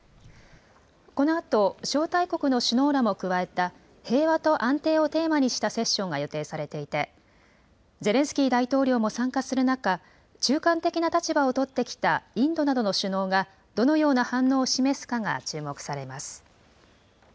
このあと招待国の首脳らも加えた、平和と安定をテーマにしたセッションが予定されていて、ゼレンスキー大統領も参加する中、中間的な立場を取ってきたインドなどの首脳が、どのような反応を示すかが注目されます。